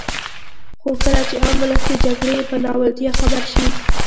خو کله چې عام ولس د جګړې په ناولتیا خبر شي.